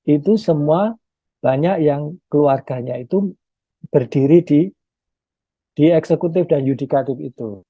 itu semua banyak yang keluarganya itu berdiri di eksekutif dan yudikatif itu